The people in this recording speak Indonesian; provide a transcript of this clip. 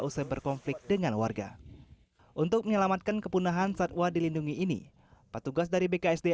usai berkonflik dengan warga untuk menyelamatkan kepunahan satwa dilindungi ini petugas dari bksda